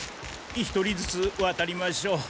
１人ずつわたりましょう。